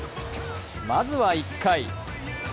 まずは、１回。